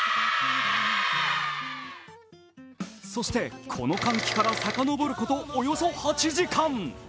そして、この歓喜からさかのぼることおよそ８時間。